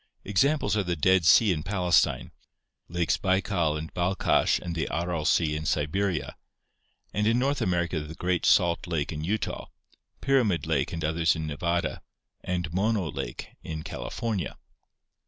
Examples are the Dead Sea in Palestine, Lakes Baikal and Balkash and the Aral Sea in Siberia, and in North America the Great Salt Lake in Utah, Pyramid Lake and others in Nevada, and Mono Lake in California.